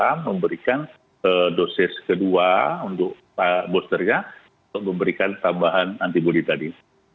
jadi kita sudah memberikan dosis kedua untuk boosternya untuk memberikan tambahan antibody tadi